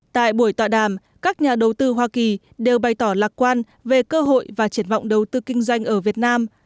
tại buổi tọa đàm các nhà đầu tư hoa kỳ đều bày tỏ lạc quan về cơ hội và triển vọng đầu tư kinh doanh ở việt nam